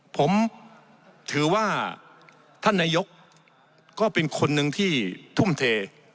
ผมถือว่าท่านนายกก็เป็นคนหนึ่งที่ทุ่มเท